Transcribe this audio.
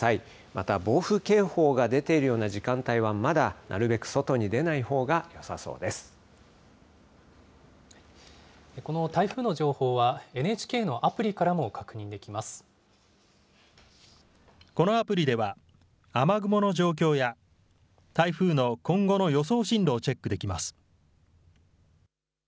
また、暴風警報が出ているような時間帯はまだなるべく外に出ないほうがこの台風の情報は、ＮＨＫのこのアプリでは、雨雲の状況や、台風の今後の予想進路をチェックできます。